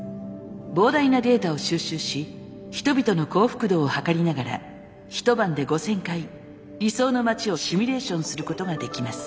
膨大なデータを収集し人々の幸福度をはかりながら一晩で５，０００回理想の街をシミュレーションすることができます。